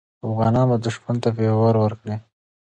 افغانان به دښمن ته پېغور ورکوي.